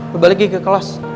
lo balik ki ke kelas